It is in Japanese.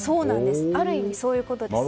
ある意味、そういうことです。